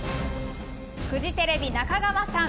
フジテレビ、中川さん